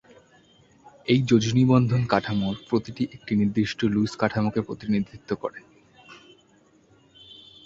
এই যোজনী বন্ধন কাঠামোর প্রতিটি একটি নির্দিষ্ট লুইস কাঠামোকে প্রতিনিধিত্ব করে।